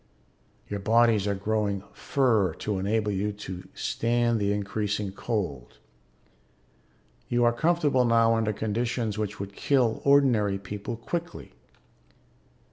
"Your bodies are growing fur to enable you to stand the increasing cold. You are comfortable now under conditions which would kill ordinary people quickly.